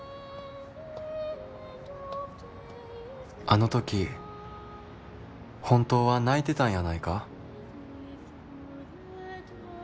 「あの時本当は泣いてたんやないか？」。